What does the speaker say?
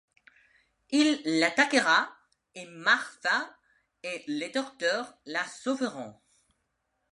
Il l'attaquera et Martha et Le Docteur la sauveront.